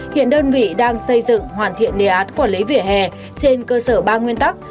hiện đơn vị đang xây dựng hoàn thiện đề án quản lý vỉa hè trên cơ sở ba nguyên tắc